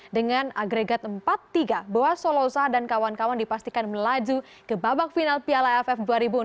dengan agregat empat tiga bahwa solosa dan kawan kawan dipastikan melaju ke babak final piala aff dua ribu enam belas